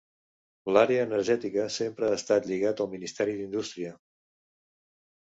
L'àrea energètica sempre ha estat lligat al Ministeri d'Indústria.